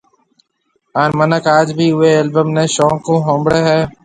ھان منک آج بِي اوئي البم ني شوق ھونۿڻي ھيَََ